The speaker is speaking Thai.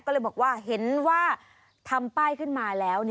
ก็เลยบอกว่าเห็นว่าทำป้ายขึ้นมาแล้ว